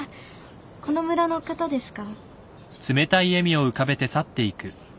この村の方ですか？